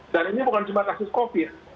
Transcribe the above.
dan ini bukan cuma kasus covid sembilan belas